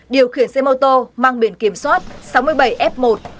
điều khiển xe mô tô mang biển kiểm soát sáu mươi bảy f một bảy nghìn hai mươi sáu